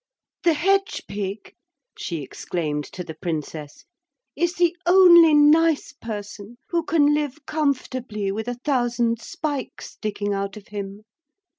The hedge pig,' she exclaimed to the Princess, 'is the only nice person who can live comfortably with a thousand spikes sticking out of him.